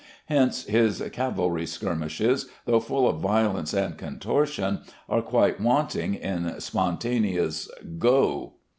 Hence his cavalry skirmishes, though full of violence and contortion, are quite wanting in spontaneous "go."